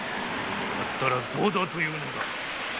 だったらどうだというのだ！